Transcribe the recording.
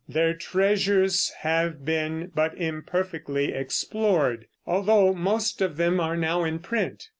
Their treasures have been but imperfectly explored, although most of them are now in print.